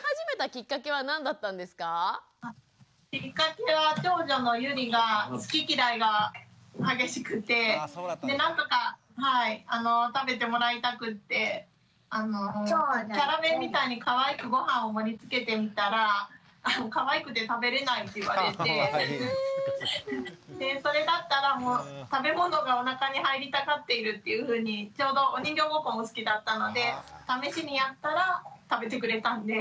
きっかけは長女のゆりが好き嫌いが激しくて何とか食べてもらいたくってキャラ弁みたいにかわいくご飯を盛りつけてみたらかわいくて食べれないって言われてそれだったら食べ物がおなかに入りたがっているっていうふうにちょうどお人形ごっこも好きだったので試しにやったら食べてくれたんで。